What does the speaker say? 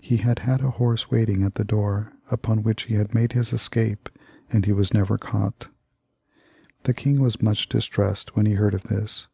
He had had a horse waiting at the door, upon which he had made his escape, and he could never be caught The king was much distressed when he heard of this.